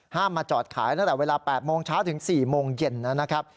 มาจอดขายตั้งแต่เวลา๘โมงเช้าถึง๔โมงเย็นนะครับ